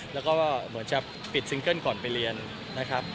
แล้วก็เหมือนจะปิดซิงเกิ้ลก่อนไปเรียนนะครับ